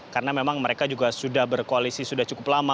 karena memang mereka juga sudah berkoalisi sudah cukup lama